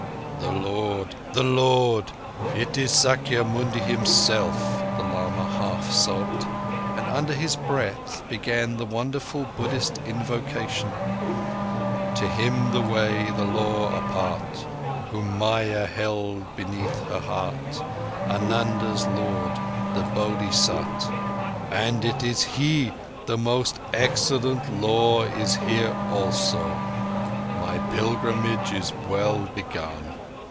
"The Lord! The Lord! It is Sakya Muni himself," the lama half sobbed; and under his breath began the wonderful Buddhist invocation: "To Him the Way,—the Law,—Apart— Whom Maya held beneath her heart, Ananda's Lord—the Bodhisat." "And He is here! The Most Excellent Law is here also. My pilgrimage is well begun.